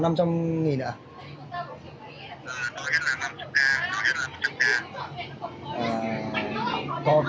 ờ lấy gói nhặt là năm trăm linh k lấy gói nhặt là một trăm linh k